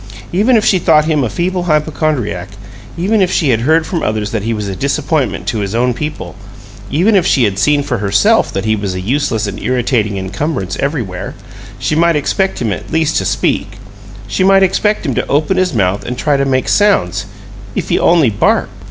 Even if she thought him a feeble hypochondriac, even if she had heard from others that he was a disappointment to his own people, even if she had seen for herself that he was a useless and irritating encumbrance everywhere, she might expect him at least to speak she might expect him to open his mouth and try to make sounds, if he only barked.